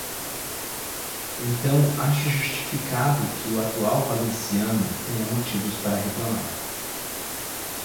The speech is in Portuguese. Então ache justificado que o atual valenciano tenha motivos para reclamar.